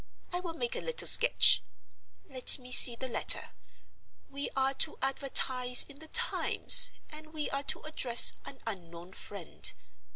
I will make a little sketch. Let me see the letter. We are to advertise in the Times, and we are to address 'An Unknown Friend.